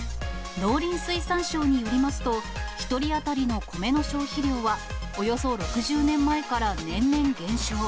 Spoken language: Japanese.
農林水産省によりますと、１人当たりの米の消費量はおよそ６０年前から年々減少。